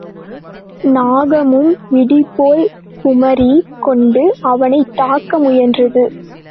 நாகமும் இடிபோல் குமுறிக் கொண்டு அவனைத் தாக்க முயன்றது.